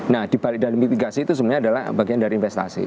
nah dibalik dalam mitigasi itu sebenarnya adalah bagian dari investasi